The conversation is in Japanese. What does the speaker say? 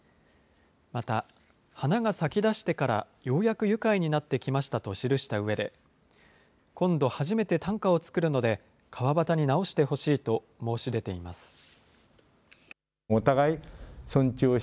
また、花が咲き出してからようやく愉快になって来ましたと記したうえで、今度初めて短歌を作るので、川端に直してほしいと申し出ています。